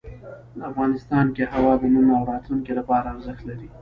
افغانستان کې هوا د نن او راتلونکي لپاره ارزښت لري.